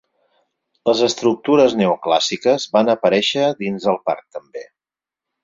Les estructures neoclàssiques van aparèixer dins el parc també.